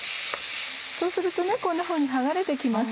そうするとこんなふうに剥がれて来ます。